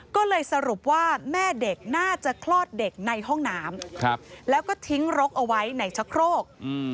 ก็เลยสรุปว่าแม่เด็กน่าจะคลอดเด็กในห้องน้ำแล้วก็ทิ้งรกเอาไว้ในชะโครก